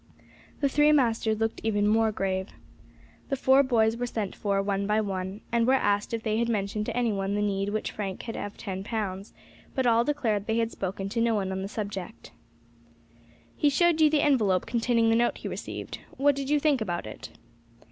The three masters looked even more grave. The four boys were sent for one by one, and were asked if they had mentioned to any one the need which Frank had of ten pounds; but all declared they had spoken to no one on the subject. "He showed you the envelope containing the note he received; what did you think about it?"